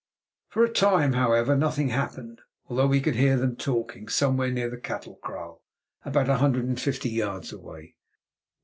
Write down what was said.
For a time, however, nothing happened, although we could hear them talking somewhere near the cattle kraal, about a hundred and fifty yards away.